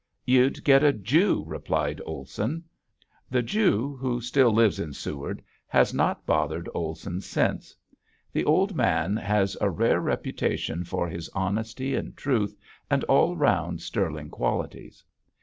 "You'd get a Jew," replied Olson. The Jew, who still lives in Seward, has not bothered Olson since. The old man has a rare reputation for his honesty and truth and all round sterling qualities.